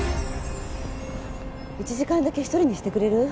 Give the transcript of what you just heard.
１時間だけ一人にしてくれる？